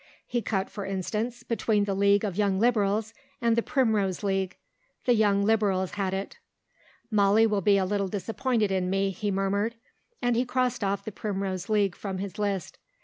He cut, for instance, between the League of Young Liberals and the Primrose League. The Young Liberals had it. "Molly will be a little disappointed in me," he murmured, and crossed off the Primrose League from his list.